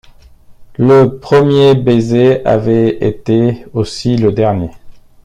Le premier baiser avait été aussi le dernier.